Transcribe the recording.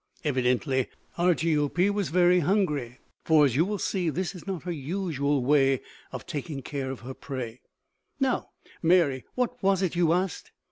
Evidently Argiope was very hungry, for as you will see, this is not her usual way of taking care of her prey. "Now, Mary, what was it you asked?"